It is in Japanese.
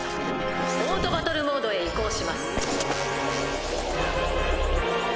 オートバトルモードへ移行します。